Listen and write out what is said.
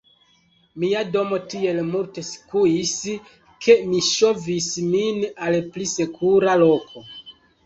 Mia domo tiel multe skuis, ke mi ŝovis min al pli sekura loko.